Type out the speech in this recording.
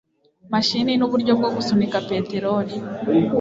mashini n uburyo bwo gusunika peteroli